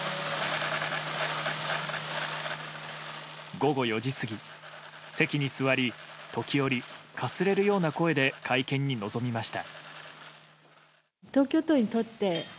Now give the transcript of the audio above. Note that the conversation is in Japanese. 午後４時過ぎ、席に座り時折かすれるような声で会見に臨みました。